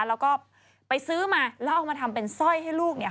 แล้วก็ไปซื้อมาแล้วเอามาทำเป็นสร้อยให้ลูกเนี่ย